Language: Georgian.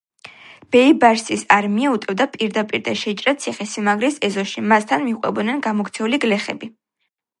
ბეიბარსის არმია უტევდა პირდაპირ და შეიჭრა ციხე სიმაგრის ეზოში მას თან მიჰყვებოდნენ გამოქცეული გლეხები.